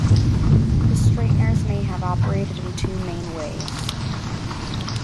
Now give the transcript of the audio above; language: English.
The straighteners may have operated in two main ways.